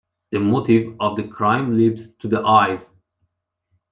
The motive of the crime leaps to the eyes.